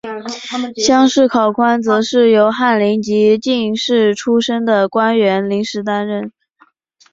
乡试考官则是由翰林及进士出身的官员临时担任。